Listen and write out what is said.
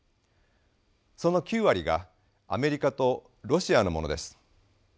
その９割がアメリカとロシアのものです。